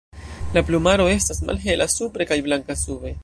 La plumaro estas malhela supre kaj blanka sube.